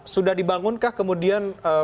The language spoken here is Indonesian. sudah dibangunkah kemudian